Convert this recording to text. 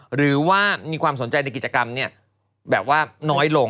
หรือว่ามีความสนใจในกิจกรรมแบบว่าน้อยลง